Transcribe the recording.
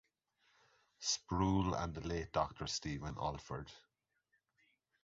Sproul and the late Doctor Stephen Olford.